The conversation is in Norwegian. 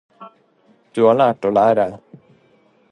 Du har lært å lære